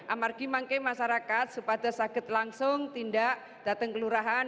amarki semoga masyarakat sepada sangat langsung tidak datang ke kelurahan